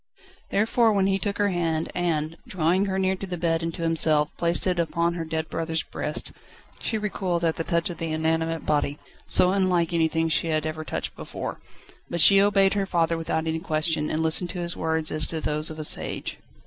Therefore when he took her hand and, drawing her nearer to the bed and to himself, placed it upon her dead brother's breast, she recoiled at the touch of the inanimate body, so unlike anything she had ever touched before, but she obeyed her father without any question, and listened to his words as to those of a sage.